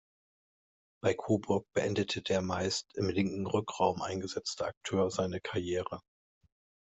Bei Coburg beendete der meist im linken Rückraum eingesetzte Akteur seine Karriere.